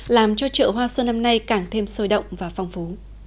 làm cho chợ hoa xuân năm nay càng thêm sôi động và phong phú